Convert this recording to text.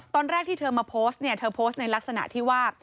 ตอนแรกที่เธอมาโพสต์เนี่ยเธอโพสต์ในลักษณะที่ว่า